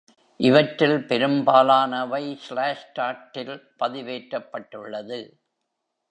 இவற்றில் பெரும்பாலானவை ஸ்லாஷ்டாட்டில் பதிவேற்றப்பட்டுள்ளது.